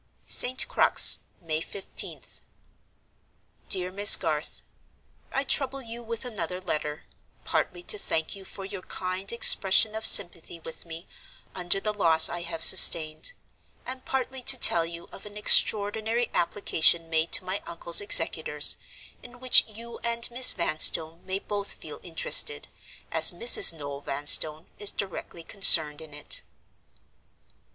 "St. Crux, May 15th. "DEAR MISS GARTH, "I trouble you with another letter: partly to thank you for your kind expression of sympathy with me, under the loss that I have sustained; and partly to tell you of an extraordinary application made to my uncle's executors, in which you and Miss Vanstone may both feel interested, as Mrs. Noel Vanstone is directly concerned in it.